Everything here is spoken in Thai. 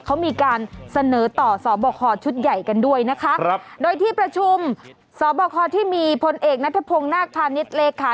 เขามีการเสนอต่อสอบคอชุดใหญ่กันด้วยนะคะครับโดยที่ประชุมสอบคอที่มีพลเอกนัทพงศ์นาคพาณิชย์เลขา